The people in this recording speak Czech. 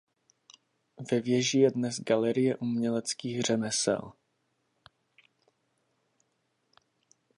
Ve věži je dnes galerie uměleckých řemesel.